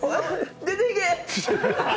出て行け！